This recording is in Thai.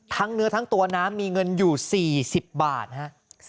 เนื้อทั้งตัวน้ำมีเงินอยู่๔๐บาทฮะ